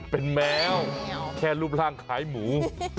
เป็นแมวแค่รูปร่างขายหมู